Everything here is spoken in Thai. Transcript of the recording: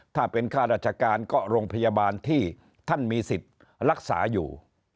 ถ้าเป็นค่าราชการก็โรงพยาบาลที่ท่านมีสิทธิ์รักษาอยู่